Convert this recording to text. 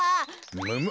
むむ！